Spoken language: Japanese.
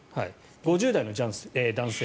５０代の男性。